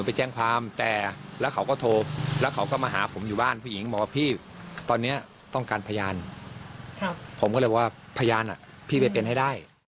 ผมก็เลยว่าพยานพี่ไปเป็นให้ได้